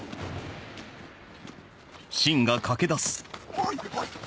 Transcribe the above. おいおい！